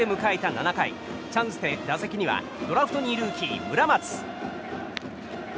７回チャンスで打席にはドラフト２位ルーキー、村松。